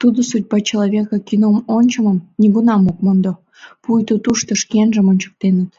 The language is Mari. Тудо «Судьба человека» кином ончымым нигунам ок мондо, пуйто тушто шкенжым ончыктеныт.